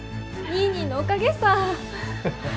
ニーニーのおかげさ！